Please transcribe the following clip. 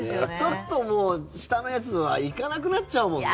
ちょっともう下のやつはいかなくなっちゃうもんね。